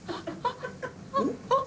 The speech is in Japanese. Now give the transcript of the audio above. あっ！